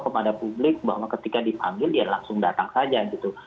kepada publik bahwa ketika dipanggil dia langsung datang saja gitu